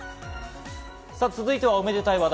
続いてはおめでたい話題。